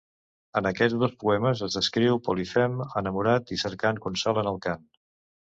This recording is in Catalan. En aquests dos poemes, es descriu Polifem enamorat i cercant consol en el cant.